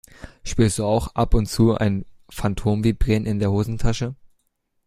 Spürst du auch ab und zu ein Phantomvibrieren in der Hosentasche?